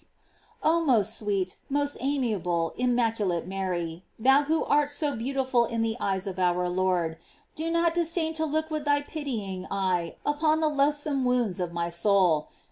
Oh most sweet, most amiable, immaculate Mary, thou who art so beautiful in the eyes of our Lord, do not disdain to look with thy pitying eye upon the loathsome wounds of my soul.